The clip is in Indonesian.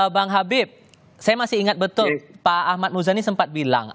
bang habib saya masih ingat betul pak ahmad muzani sempat bilang